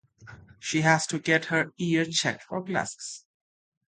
She has to get her eyes checked for glasses.